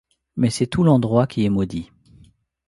Mais c'est tout l'endroit qui est maudit.